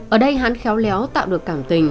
ở đây hắn khéo léo tạo được cảm tình